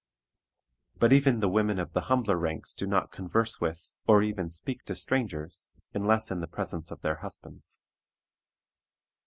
But even the women of the humbler ranks do not converse with, or even speak to strangers, unless in the presence of their husbands.